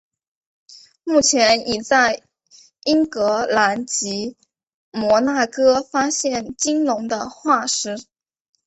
目前已在英格兰及摩纳哥发现鲸龙的化石。